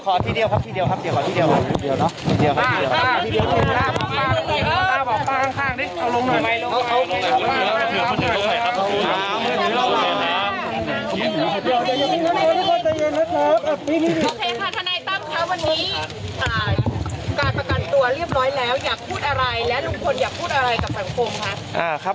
โอเคค่ะทนายตั้มคะวันนี้การประกันตัวเรียบร้อยแล้วอยากพูดอะไรและลุงพลอยากพูดอะไรกับสังคมคะ